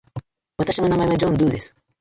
私の名前はジョン・ドゥーです。